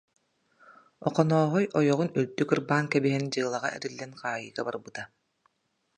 Охонооһой ойоҕун үлтү кырбаан кэбиһэн, дьыалаҕа эриллэн хаайыыга барбыта